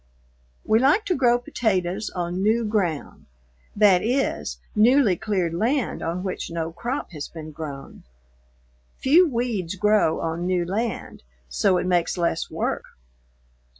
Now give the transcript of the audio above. We like to grow potatoes on new ground, that is, newly cleared land on which no crop has been grown. Few weeds grow on new land, so it makes less work.